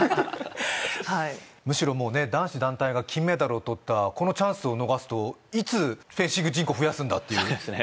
むしろもうね男子団体が金メダルをとったこのチャンスを逃すといつフェンシング人口増やすんだっていうそうですね